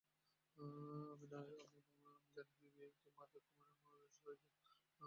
আমি জানি দিদি তোর এমন আদেষ্ট হয়েছে।